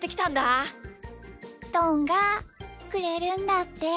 どんがくれるんだって。